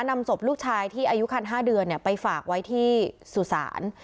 นำศพลูกชายที่อายุคัน๕เดือนไปฝากไว้ที่สุสาน